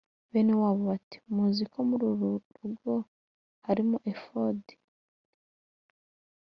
bene wabo bati Muzi ko muri uru rugo harimo efodi